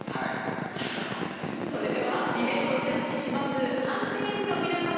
さあそれではディベートをジャッジします判定員の皆様